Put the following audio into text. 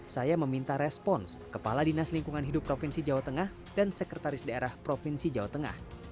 saya meminta respons kepala dinas lingkungan hidup provinsi jawa tengah dan sekretaris daerah provinsi jawa tengah